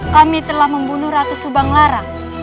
kami telah membunuh ratu subang lara